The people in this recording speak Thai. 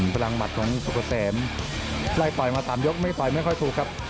พลังหมัดของสุกเกษมไล่ต่อยมา๓ยกไม่ต่อยไม่ค่อยถูกครับ